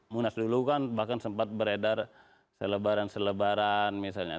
munas dulu kan bahkan sempat beredar selebaran selebaran misalnya